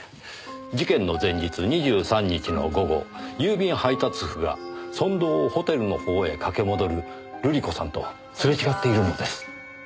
事件の前日２３日の午後郵便配達夫が村道をホテルの方へ駆け戻る瑠璃子さんとすれ違っているのです。